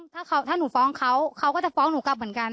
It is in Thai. ถ้าหนูฟ้องเขาเขาก็จะฟ้องหนูกลับเหมือนกัน